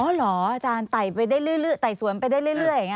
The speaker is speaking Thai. หรออาจารย์ไตสวนไปได้เรื่อยอย่างนี้